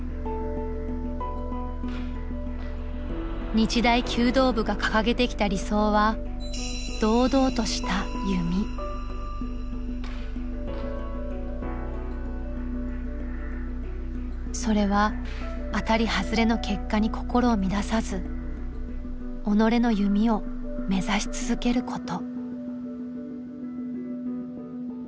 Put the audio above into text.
日大弓道部が掲げてきた理想はそれは当たり外れの結果に心を乱さず己の弓を目指し続けること。